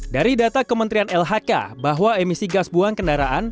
dari data kementerian lhk bahwa emisi gas buang kendaraan